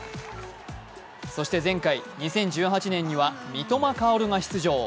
そして前回、２０１８年には三笘薫が出場。